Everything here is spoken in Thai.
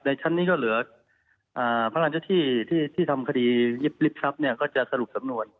ชั้นนี้ก็เหลือพระราชที่ที่ทำคดียิบลิบทรัพย์ก็จะสรุปสำนวน